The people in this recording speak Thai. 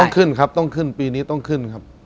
ขึ้นครับต้องขึ้นปีนี้ต้องขึ้นครับ